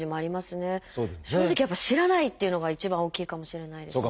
正直やっぱ知らないっていうのが一番大きいかもしれないですね。